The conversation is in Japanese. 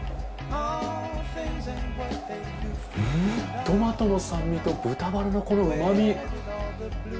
うんトマトの酸味と豚バラのこの旨み。